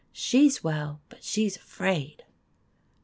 She 's well ; but she 's afraid